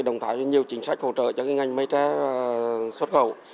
đồng thời nhiều chính sách hỗ trợ cho ngành mây tre xuất khẩu